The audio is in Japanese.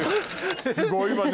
すごいわね